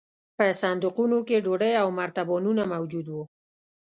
په صندوقونو کې ډوډۍ او مرتبانونه موجود وو